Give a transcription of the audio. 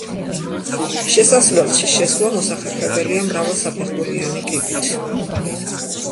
შესასვლელში შესვლა მოსახერხებელია მრავალსაფეხურიანი კიბით.